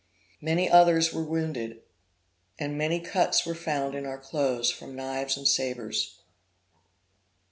Many others were wounded; and many cuts were found in our clothes from knives and sabres.